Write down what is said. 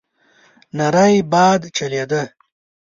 نری باد چلېده.